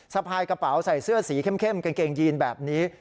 สะพายกระเป๋าใส่เสื้อสีเข้มกางเกงยีนแบบนี้